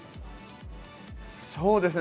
そうですね